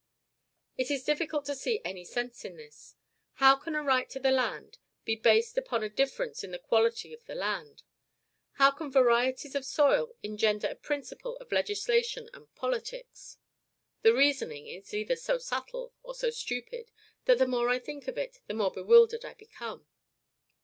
It is difficult to see any sense in this. How can a right to the land be based upon a difference in the quality of the land? How can varieties of soil engender a principle of legislation and politics? This reasoning is either so subtle, or so stupid, that the more I think of it, the more bewildered I become.